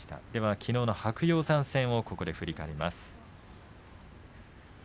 きのうの白鷹山戦を振り返ります。